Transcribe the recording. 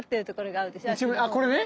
あっこれね。